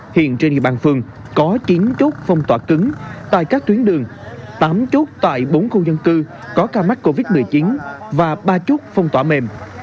hiện trên địa bàn phường có chín chốt phong tỏa cứng tại các tuyến đường tám chốt tại bốn khu dân cư có ca mắc covid một mươi chín và ba chốt phong tỏa mềm